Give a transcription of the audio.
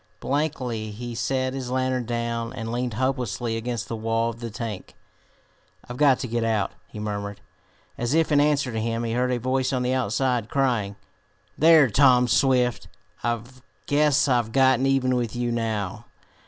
Blankly he set his lantern down and leaned hopelessly against the wall of the tank. "I've got to get out," he murmured. As if in answer to him he heard a voice on the outside, crying: "There, Tom Swift! I guess I've gotten even with you now!